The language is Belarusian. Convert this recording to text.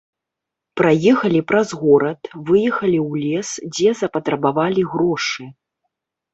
Праехалі праз горад, выехалі ў лес, дзе запатрабавалі грошы.